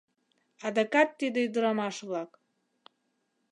— Адакат тиде ӱдырамаш-влак!..